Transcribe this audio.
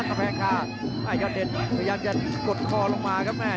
นักกำแพงค่ะได้ยอดเดชน์พยายามจะกดคอลงมาครับแม่